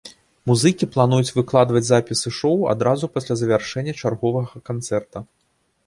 Музыкі плануюць выкладваць запісы шоў адразу пасля завяршэння чарговага канцэрта.